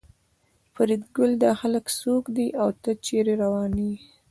فریدګله دا خلک څوک دي او ته چېرې روان یې